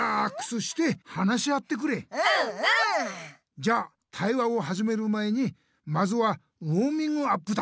じゃあ対話をはじめる前にまずはウォーミングアップだ。